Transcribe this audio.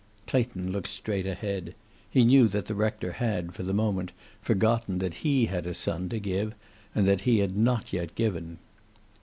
Clayton looked straight ahead. He knew that the rector had, for the moment, forgotten that he had a son to give and that he had not yet given.